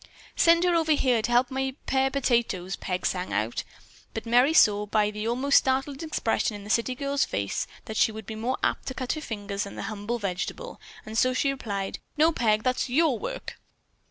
"Send her over here to help me pare potatoes," Peg sang out. But Merry saw, by the almost startled expression in the city girl's face, that she would be more apt to cut her fingers than the humble vegetable, and so she replied: "No, Peg, that's your work.